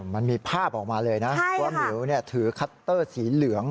มันมีภาพออกมาเลยนะว่าหมิวถือคัตเตอร์สีเหลือง